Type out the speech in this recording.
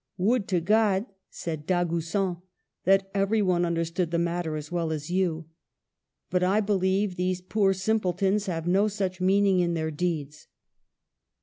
'* Would to God," said Dagoucin, " that every one understood the matter as well as you ! But I beheve these poor simpletons have no such meaning in their deeds."